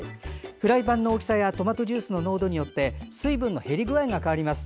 フライパンの大きさやトマトジュースの濃度によって水分の減り具合が変わります。